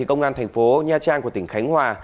công an thành phố nha trang của tỉnh khánh hòa